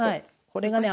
これがね